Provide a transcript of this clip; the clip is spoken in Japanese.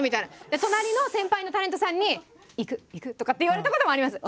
で隣の先輩タレントさんに「いくいく」とかって言われたこともあります。